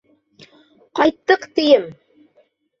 Ҡайттыҡ, тием!